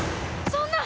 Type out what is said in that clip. そんな！